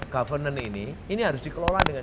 governance ini ini harus dikelola dengan